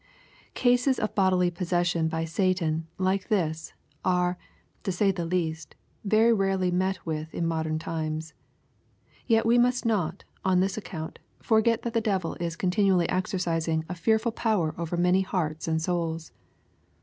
Cases of bodily possession by Satan, like this, are, to say the least, very rarely met with in modern times. Yet we must not, on this account, forget that the devil is continually exercising a fearful power over many hearts and souls.